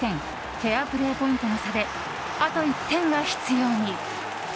フェアプレーポイントの差であと１点が必要に。